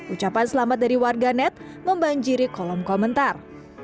ucapan selamat dari warga net membanjiri kolom komentar